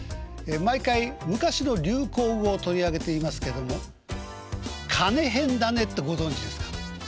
毎回昔の流行語を取り上げていますけども「金ヘンだね」ってご存じですか？